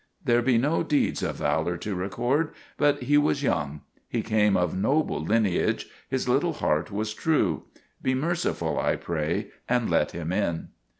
There be no deeds of valor to record; but he was young. He came of noble lineage; his little heart was true. Be merciful, I pray, and let him in.